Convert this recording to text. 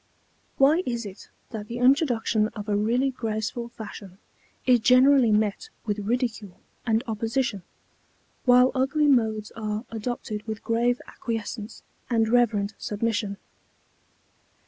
Why is it that the introduction of a really graceful fashion is generally met with ridicule and opposition, while ugly modes are adopted with grave acquiescence and reverent submission?